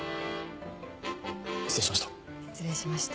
失礼しました。